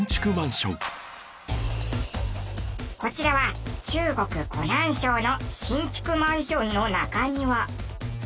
こちらは中国湖南省の新築マンションの中庭。